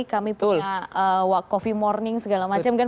kami punya coffee morning segala macam kan